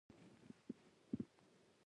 د هوا حالات څنګه معلومیږي؟